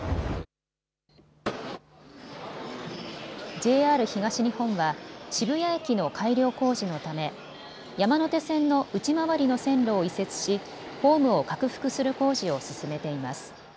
ＪＲ東日本は渋谷駅の改良工事のため山手線の内回りの線路を移設しホームを拡幅する工事を進めています。